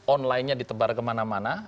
online nya ditebar kemana mana